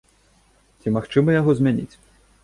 Ці магчыма яго змяніць?